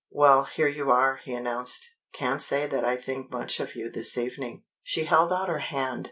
"Well, here you are," he announced. "Can't say that I think much of you this evening." She held out her hand.